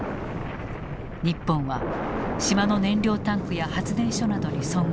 日本は島の燃料タンクや発電所などに損害を与えた。